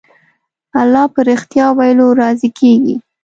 الله په رښتيا ويلو راضي کېږي.